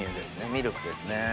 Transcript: ミルクですね。